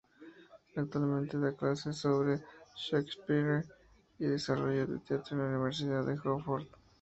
Actualmente da clases sobre Shakespeare y Desarrollo de Teatro en la Universidad de Hartford.